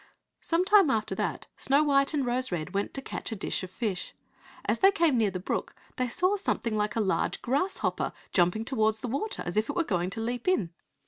Some time after that Snow white and Rose red went to catch a dish of fish. As they came near the brook they saw something like a large grasshopper jumping towards the water, as if it were going to leap in.